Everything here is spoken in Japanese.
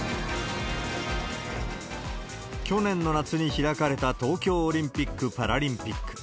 去年の夏に開かれた東京オリンピック・パラリンピック。